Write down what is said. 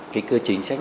cái cơ chính sách